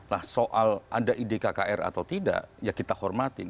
nah soal ada ide kkr atau tidak ya kita hormatin